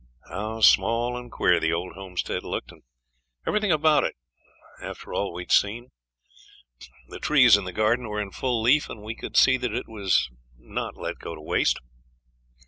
How small and queer the old homestead looked, and everything about it after all we had seen. The trees in the garden were in full leaf, and we could see that it was not let go to waste.